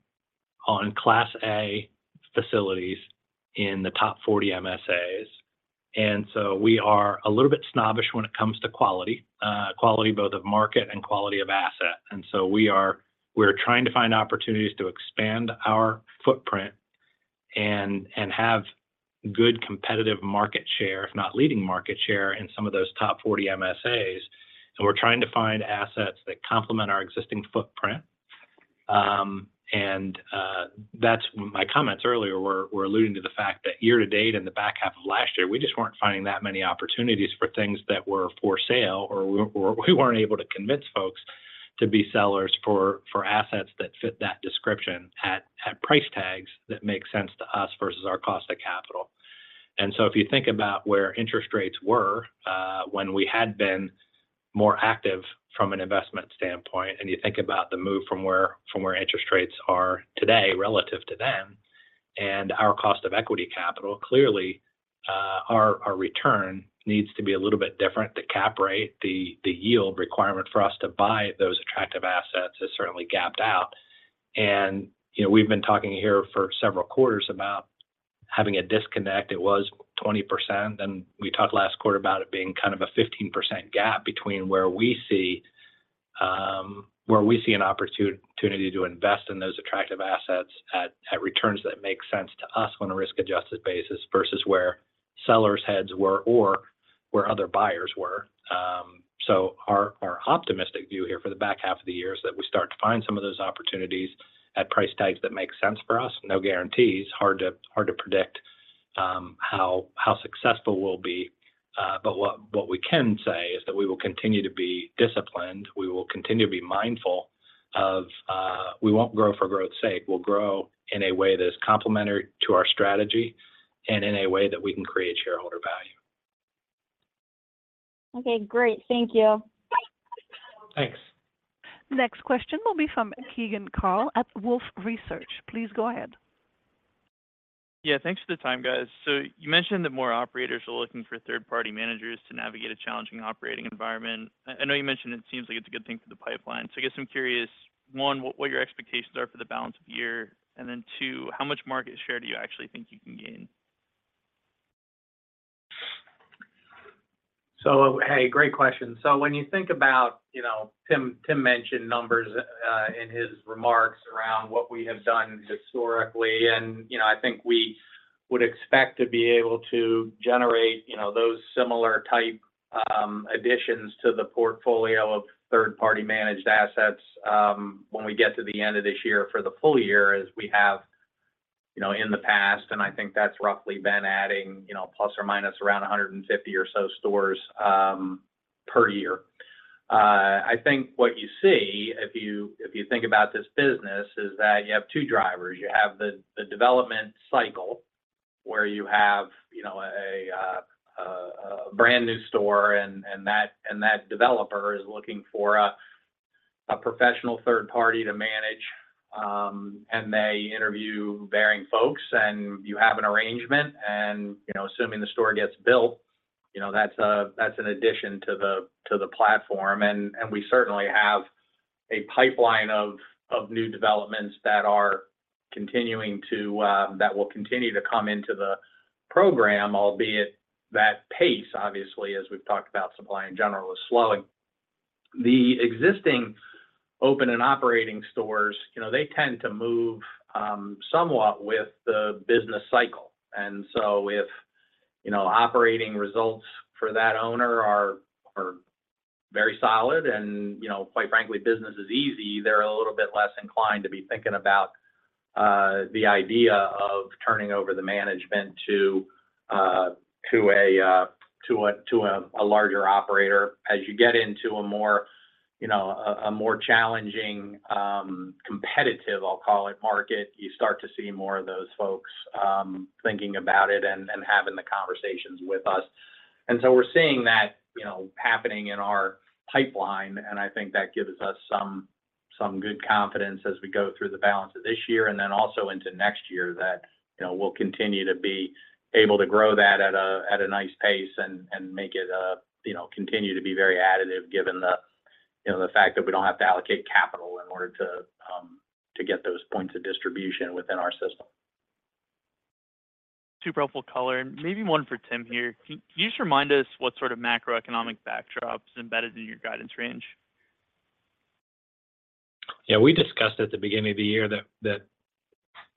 on Class A facilities in the top 40 MSAs. We are a little bit snobbish when it coming to quality. Quality both of market and quality of asset. We are-- we're trying to find opportunities to expand our footprint and, and have good competitive market share, if not leading market share in some of those top 40 MSAs. We're trying to find assets that complement our existing footprint. That's. My comments earlier were, were alluding to the fact that year-to-date, in the back half of last year, we just weren't finding that many opportunities for things that were for sale, or we weren't able to convince folks to be sellers for, for assets that fit that description at, at price tags that make sense to us versus our cost of capital. If you think about where interest rates were, when we had been more active from an investment standpoint, and you think about the move from where, from where interest rates are today relative to then, and our cost of equity capital, clearly, our, our return needs to be a little bit different. The cap rate, the, the yield requirement for us to buy those attractive assets is certainly gapped out. You know, we've been talking here for several quarters about having a disconnect. It was 20%, and we talked last quarter about it being kind of a 15% gap between where we see, where we see an opportunity to invest in those attractive assets at, at returns that make sense to us on a risk-adjusted basis versus where sellers' heads were or where other buyers were. Our, our optimistic view here for the back half of the year is that we start to find some of those opportunities at price tags that make sense for us. No guarantees. Hard to, hard to predict, how, how successful we'll be. What, what we can say is that we will continue to be disciplined. We will continue to be mindful of... We won't grow for growth's sake. We'll grow in a way that is complementary to our strategy and in a way that we can create shareholder value. Okay, great. Thank you. Bye. Thanks. Next question will be from Keegan Carl at Wolfe Research. Please go ahead. Yeah, thanks for the time, guys. You mentioned that more operators are looking for third-party managers to navigate a challenging operating environment. I know you mentioned it seems like it's a good thing for the pipeline. I guess I'm curious, one, what your expectations are for the balance of the year, and then two, how much market share do you actually think you can gain? Hey, great question. When you think about, you know, Tim, Tim mentioned numbers in his remarks around what we have done historically, and, you know, I think we would expect to be able to generate, you know, those similar type additions to the portfolio of third-party managed assets when we get to the end of this year for the full year, as we have, you know, in the past, and I think that's roughly been adding, you know, plus or minus around 150 or so stores per year. I think what you see if you, if you think about this business, is that you have two drivers. You have the development cycle, where you have, you know, a brand-new store and that, and that developer is looking for a professional third party to manage. They interview varying folks, and you have an arrangement and, you know, assuming the store gets built, you know, that's an addition to the platform. We certainly have a pipeline of new developments that are continuing to that will continue to come into the program, albeit that pace, obviously, as we've talked about, supply in general is slowing. The existing open and operating stores, you know, they tend to move somewhat with the business cycle. If, you know, operating results for that owner are very solid and, you know, quite frankly, business is easy, they're a little bit less inclined to be thinking about the idea of turning over the management to to a to a to a larger operator. As you get into a more, you know, a, a more challenging, competitive, I'll call it, market, you start to see more of those folks, thinking about it and, and having the conversations with us. We're seeing that, you know, happening in our pipeline, and I think that gives us some, some good confidence as we go through the balance of this year and then also into next year, that, you know, we'll continue to be able to grow that at a, at a nice pace and, and make it, you know, continue to be very additive, given the, you know, the fact that we don't have to allocate capital in order to, to get those points of distribution within our system. Two powerful color, and maybe one for Tim here. Can you just remind us what sort of macroeconomic backdrop is embedded in your guidance range? Yeah, we discussed at the beginning of the year that, that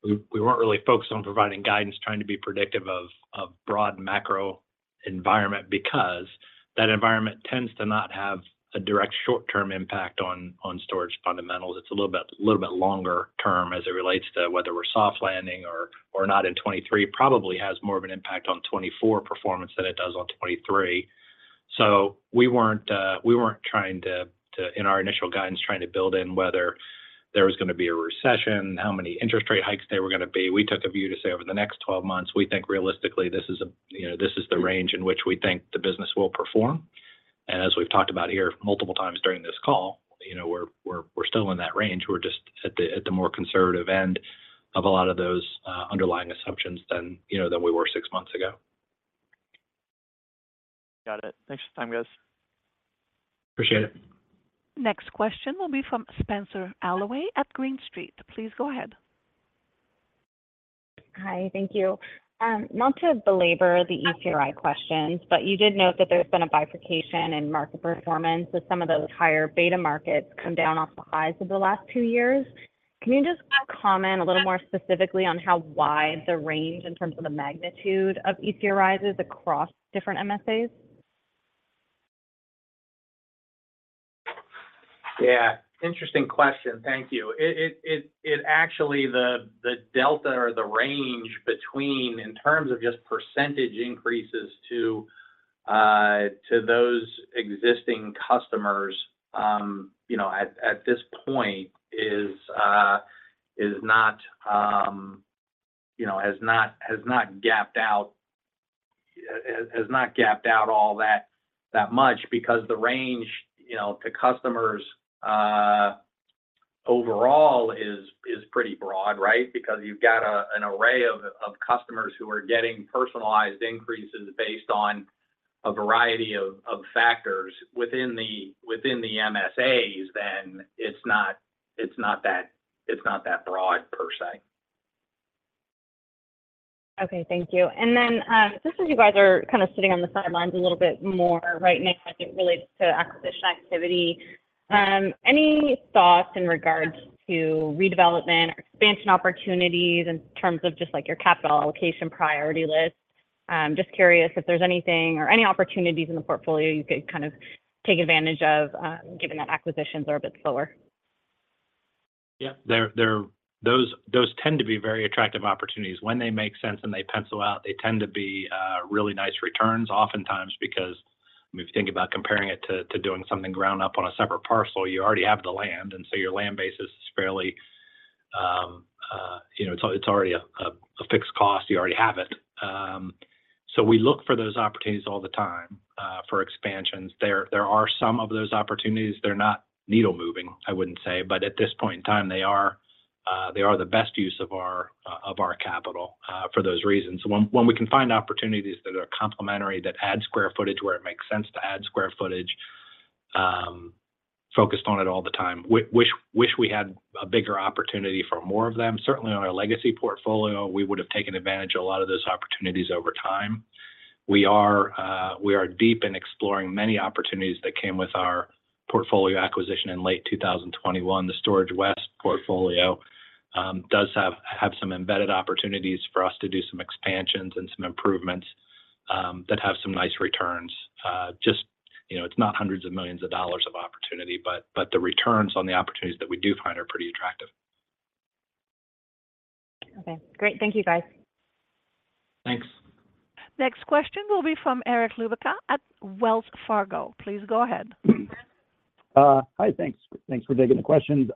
we, we weren't really focused on providing guidance, trying to be predictive of, of broad macro environment because that environment tends to not have a direct short-term impact on, on storage fundamentals. It's a little bit, little bit longer term as it relates to whether we're soft landing or, or not in 2023. Probably has more of an impact on 2024 performance than it does on 2023. We weren't, we weren't trying to, to, in our initial guidance, trying to build in whether there was gonna be a recession, how many interest rate hikes there were gonna be. We took a view to say over the next 12 months, we think realistically this is a, you know, this is the range in which we think the business will perform. As we've talked about here multiple times during this call, you know, we're, we're, we're still in that range. We're just at the, at the more conservative end of a lot of those underlying assumptions than, you know, than we were six months ago. Got it. Thanks for the time, guys. Appreciate it. Next question will be from Spencer Allaway at Green Street. Please go ahead. Hi, thank you. Not to belabor the ECRI questions, but you did note that there's been a bifurcation in market performance, with some of those higher beta markets come down off the highs of the last 2 years. Can you just comment a little more specifically on how wide the range in terms of the magnitude of ECRI is across different MSAs? Yeah, interesting question. Thank you. It actually, the delta or the range between, in terms of just % increases to those existing customers, you know, at this point is not, you know, has not gapped out all that much because the range, you know, to customers overall is pretty broad, right? Because you've got an array of customers who are getting personalized increases based on a variety of factors within the MSAs, then it's not, it's not that, it's not that broad per se. Okay, thank you. Then, just as you guys are kind of sitting on the sidelines a little bit more right now as it relates to acquisition activity, any thoughts in regards to redevelopment or expansion opportunities in terms of just, like, your capital allocation priority list? Just curious if there's anything or any opportunities in the portfolio you could kind of take advantage of, given that acquisitions are a bit slower. Yeah, they're those tend to be very attractive opportunities when they make sense and they pencil out. They tend to be really nice returns oftentimes, because if you think about comparing it to doing something ground up on a separate parcel, you already have the land, and so your land basis is fairly-... you know, it's, it's already a, a, a fixed cost. You already have it. We look for those opportunities all the time for expansions. There are some of those opportunities. They're not needle-moving, I wouldn't say, but at this point in time, they are, they are the best use of our of our capital for those reasons. When we can find opportunities that are complementary, that add square footage, where it makes sense to add square footage, focused on it all the time. Wish we had a bigger opportunity for more of them. Certainly, on our legacy portfolio, we would have taken advantage of a lot of those opportunities over time. We are, we are deep in exploring many opportunities that came with our portfolio acquisition in late 2021. The Storage West portfolio, does have, have some embedded opportunities for us to do some expansions and some improvements, that have some nice returns. Just, you know, it's not hundreds of millions of dollars of opportunity, but, but the returns on the opportunities that we do find are pretty attractive. Okay, great. Thank you, guys. Thanks. Next question will be from Eric Luebchow at Wells Fargo. Please go ahead. Hi. Thanks. Thanks for taking the questions.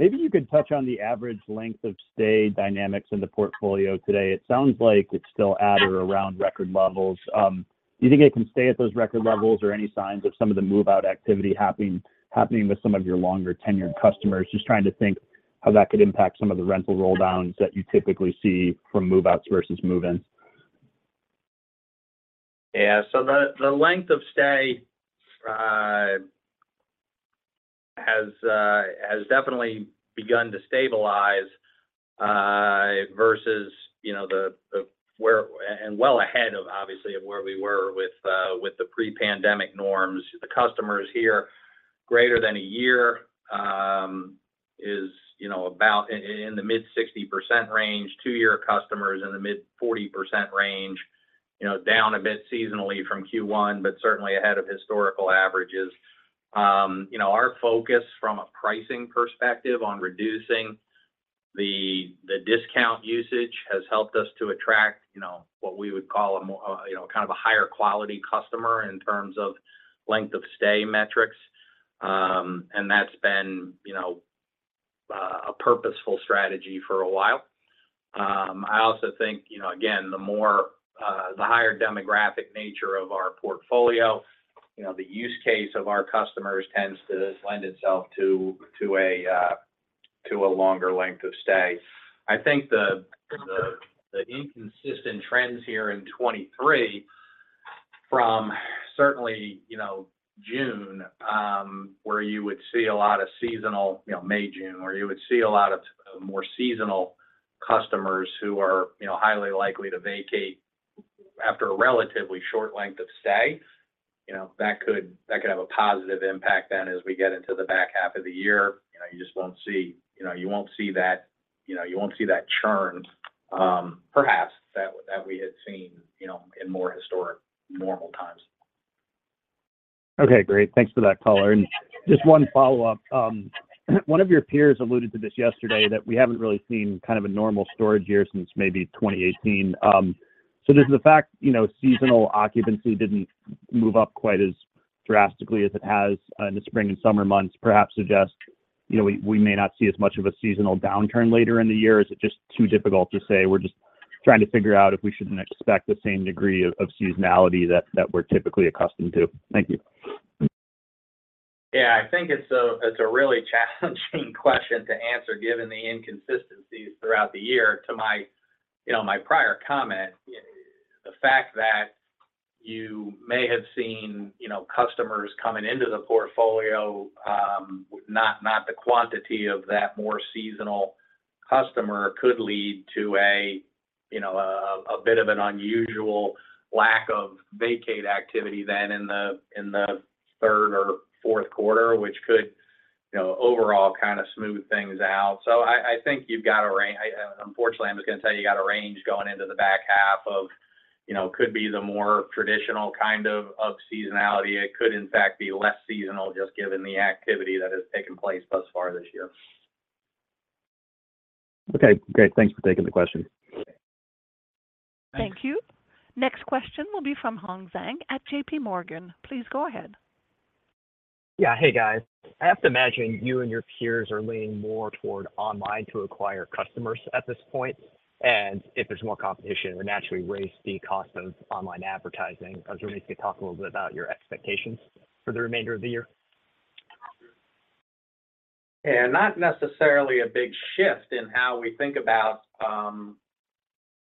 Maybe you could touch on the average length of stay dynamics in the portfolio today. It sounds like it's still at or around record levels. Do you think it can stay at those record levels or any signs of some of the move-out activity happening, happening with some of your longer-tenured customers? Just trying to think how that could impact some of the rental rolldowns that you typically see from move-outs versus move-ins. Yeah. The, the length of stay has definitely begun to stabilize versus, you know, the, the, and well ahead of obviously, of where we were with the pre-pandemic norms. The customers here, greater than a year, is, you know, about in the mid 60% range, two-year customers in the mid 40% range. You know, down a bit seasonally from Q1, but certainly ahead of historical averages. You know, our focus from a pricing perspective on reducing the, the discount usage has helped us to attract, you know, what we would call a more... you know, kind of a higher quality customer in terms of length of stay metrics. And that's been, you know, a purposeful strategy for a while. I also think, you know, again, the more, the higher demographic nature of our portfolio, you know, the use case of our customers tends to lend itself to, to a, to a longer length of stay. I think the, the, the inconsistent trends here in 23 from certainly, you know, June, where you would see a lot of seasonal, you know, May, June, where you would see a lot of, of more seasonal customers who are, you know, highly likely to vacate after a relatively short length of stay, you know, that could, that could have a positive impact then, as we get into the back half of the year. You know, you won't see that, you know, you won't see that churn, perhaps that, that we had seen, you know, in more historic, normal times. Okay, great. Thanks for that color. Just one follow-up. One of your peers alluded to this yesterday, that we haven't really seen kind of a normal storage year since maybe 2018. Does the fact, you know, seasonal occupancy didn't move up quite as drastically as it has, in the spring and summer months, perhaps suggest, you know, we, we may not see as much of a seasonal downturn later in the year? Is it just too difficult to say? We're just trying to figure out if we shouldn't expect the same degree of, of seasonality that, that we're typically accustomed to. Thank you. Yeah, I think it's a, it's a really challenging question to answer, given the inconsistencies throughout the year. To my, you know, my prior comment, the fact that you may have seen, you know, customers coming into the portfolio, not, not the quantity of that more seasonal customer, could lead to a, you know, a, a bit of an unusual lack of vacate activity than in the, in the third or fourth quarter, which could, you know, overall kind of smooth things out. I, I think. Unfortunately, I'm just going to tell you, you got a range going into the back half of, you know, could be the more traditional kind of, of seasonality. It could in fact be less seasonal, just given the activity that has taken place thus far this year. Okay, great. Thanks for taking the question. Thanks. Thank you. Next question will be from Hong Zheng at JPMorgan. Please go ahead. Yeah. Hey, guys. I have to imagine you and your peers are leaning more toward online to acquire customers at this point, and if there's more competition, it would naturally raise the cost of online advertising. I was wondering if you could talk a little bit about your expectations for the remainder of the year. Yeah, not necessarily a big shift in how we think about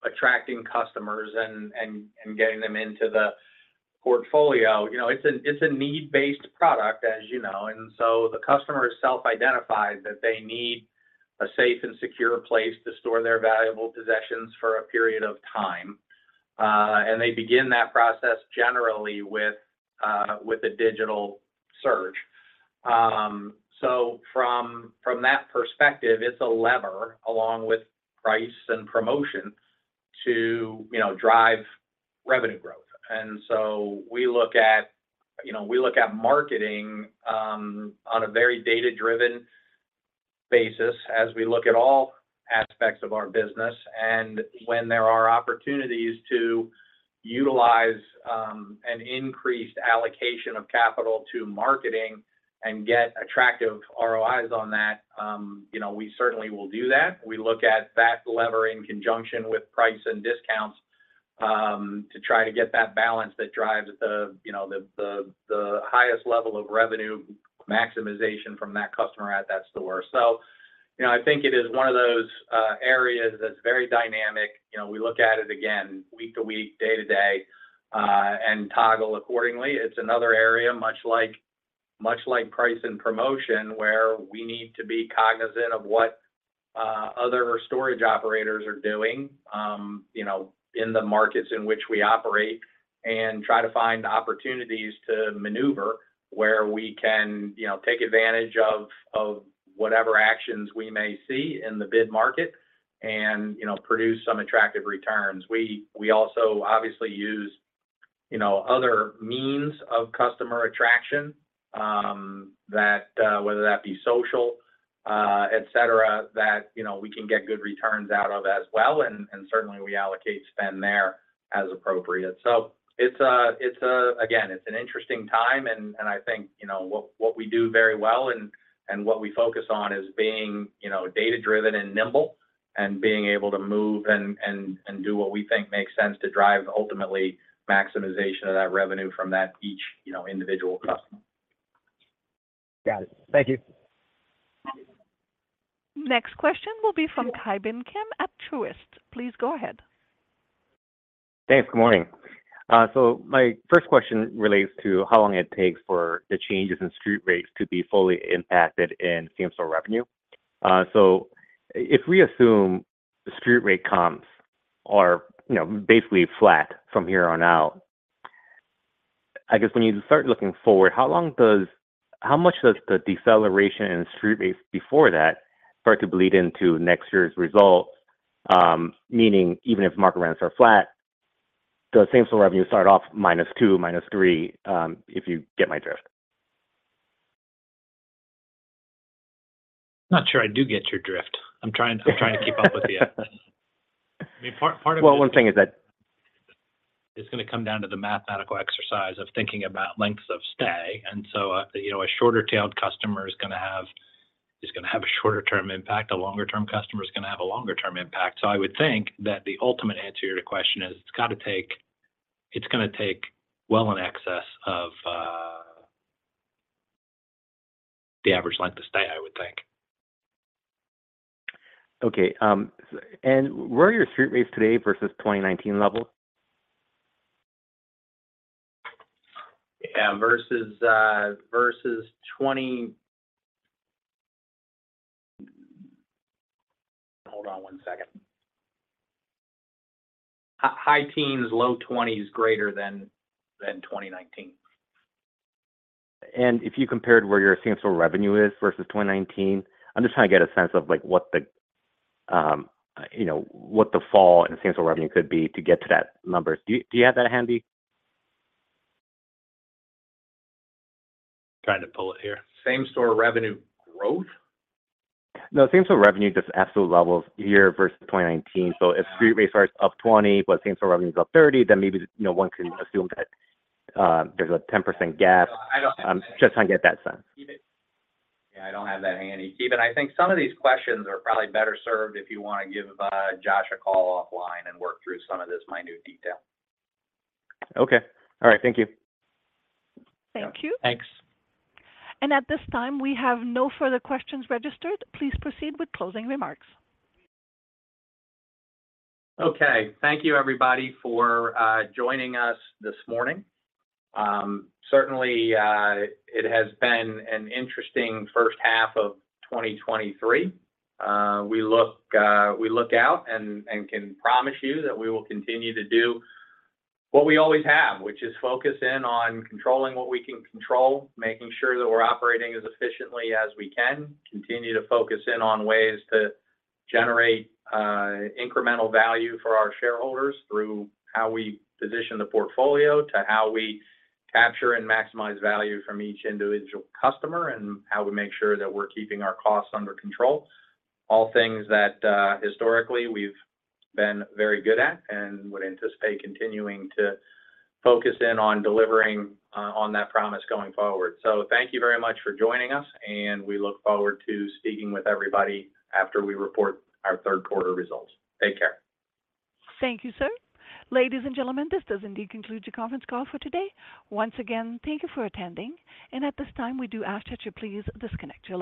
attracting customers and, and, and getting them into the portfolio. You know, it's a, it's a need-based product, as you know, and so the customer self-identifies that they need a safe and secure place to store their valuable possessions for a period of time. They begin that process generally with a digital search. From, from that perspective, it's a lever, along with price and promotion, to, you know, drive revenue growth. We look at, you know, we look at marketing on a very data-driven basis as we look at all aspects of our business. When there are opportunities to utilize an increased allocation of capital to marketing and get attractive ROIs on that, you know, we certainly will do that. We look at that lever in conjunction with price and discounts, to try to get that balance that drives the, you know, the, the, the highest level of revenue maximization from that customer at that store. You know, I think it is one of those areas that's very dynamic. You know, we look at it again week to week, day to day, and toggle accordingly. It's another area, much like, much like price and promotion, where we need to be cognizant of what other storage operators are doing, you know, in the markets in which we operate and try to find opportunities to maneuver where we can, you know, take advantage of, of whatever actions we may see in the bid market and, you know, produce some attractive returns. We, we also obviously use, you know, other means of customer attraction, that, whether that be social, et cetera, that, you know, we can get good returns out of as well. Certainly we allocate spend there as appropriate. It's a, it's a, again, it's an interesting time and, and I think, you know, what, what we do very well and, and what we focus on is being, you know, data-driven and nimble and being able to move and, and, and do what we think makes sense to drive ultimately maximization of that revenue from that each, you know, individual customer. Got it. Thank you. Next question will be from Ki Bin Kim at Truist. Please go ahead. Thanks. Good morning. My first question relates to how long it takes for the changes in street rates to be fully impacted in same-store revenue. If we assume the street rate comps are, you know, basically flat from here on out, I guess when you start looking forward, how much does the deceleration in street rates before that start to bleed into next year's results? Meaning even if market rents are flat, does same-store revenue start off -two, -three, if you get my drift? Not sure I do get your drift. I'm trying to keep up with you. I mean, part of it- Well, one thing is that. It's gonna come down to the mathematical exercise of thinking about lengths of stay. So, you know, a shorter-tailed customer is gonna have, is gonna have a shorter-term impact. A longer-term customer is gonna have a longer-term impact. I would think that the ultimate answer to your question is, it's gonna take well in excess of, the average length of stay, I would think. Okay, and where are your street rates today versus 2019 level? Yeah, versus, versus 20... Hold on 1 second. High teens, low twenties, greater than 2019. If you compared where your same-store revenue is versus 2019, I'm just trying to get a sense of like what the, you know, what the fall in same-store revenue could be to get to that number. Do you, do you have that handy? Trying to pull it here. Same-store revenue growth? No, same-store revenue, just absolute levels year versus 2019. If street rate starts up 20, but same-store revenue is up 30, then maybe, you know, one can assume that there's a 10% gap. I don't- Just trying to get that sense. Yeah, I don't have that handy. Ki Bin, I think some of these questions are probably better served if you wanna give Josh a call offline and work through some of this minute detail. Okay. All right, thank you. Thank you. Thanks. At this time, we have no further questions registered. Please proceed with closing remarks. Okay. Thank you everybody for joining us this morning. Certainly, it has been an interesting first half of 2023. We look, we look out and can promise you that we will continue to do what we always have, which is focus in on controlling what we can control, making sure that we're operating as efficiently as we can, continue to focus in on ways to generate incremental value for our shareholders through how we position the portfolio, to how we capture and maximize value from each individual customer, and how we make sure that we're keeping our costs under control. All things that historically we've been very good at and would anticipate continuing to focus in on delivering on that promise going forward. Thank you very much for joining us, and we look forward to speaking with everybody after we report our third quarter results. Take care. Thank you, sir. Ladies and gentlemen, this does indeed conclude your conference call for today. Once again, thank you for attending, and at this time, we do ask that you please disconnect your lines.